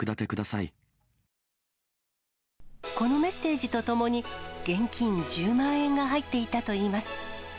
このメッセージと共に、現金１０万円が入っていたといいます。